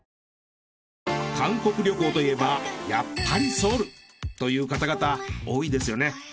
韓国旅行といえばやっぱりソウルという方々多いですよね。